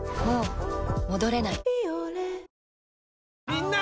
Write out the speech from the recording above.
みんな！